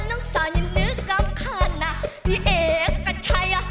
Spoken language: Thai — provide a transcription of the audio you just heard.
น้องสาวยังนึกกล้ามข้าวหน้าที่เอกก็ใช่